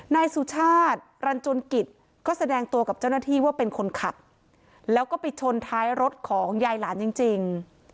นายสุชาติรันจุนกิจก็แสดงตัวกับเจ้าหน้าที่ว่าเป็นคนขับแล้วก็ไปชนท้ายรถของยายหลานจริง